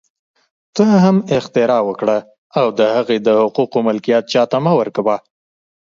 ته هم اختراع وکړه او د هغې د حقوقو ملکیت چا ته مه ورکوه